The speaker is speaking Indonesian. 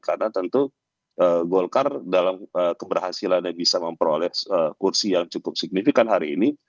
karena tentu golkar dalam keberhasilan yang bisa memperoleh kursi yang cukup signifikan hari ini